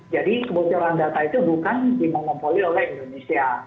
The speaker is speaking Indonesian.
jadi kebocoran data itu bukan dimonopoli oleh indonesia